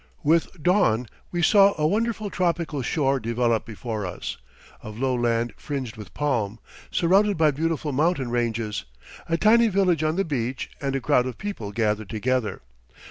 With dawn we saw a wonderful tropical shore develop before us, of low land fringed with palm, surrounded by beautiful mountain ranges, a tiny village on the beach, and a crowd of people gathered together.